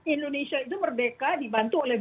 indonesia itu merdeka dibantu oleh